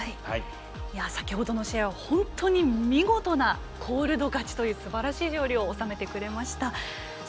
先ほどの試合は本当に見事なコールド勝ちというすばらしい勝利を収めてくれました。